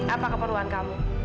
apa keperluan kamu